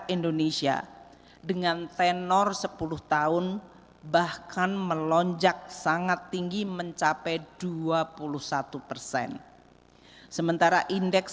indonesia dengan tenor sepuluh tahun bahkan melonjak sangat tinggi mencapai dua puluh satu persen sementara indeks